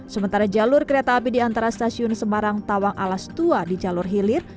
sementara jalur kereta api di antara stasiun semarang tawang alas tua di jalur hilir